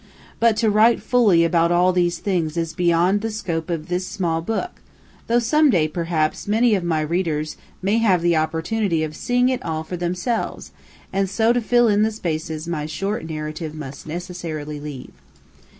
But to write fully about all these things is beyond the scope of this small book, though some day, perhaps, many of my readers may have the opportunity of seeing it all for themselves, and so fill in the spaces my short narrative must necessarily leave.